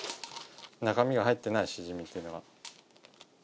中身が入っていないしじみっていうのは。